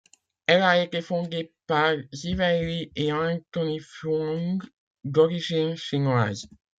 Elle a été fondée par Ziwei Li et Anthony Phuong, d'origine chinoise.